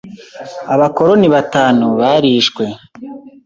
Abakoloni batanu barishwe.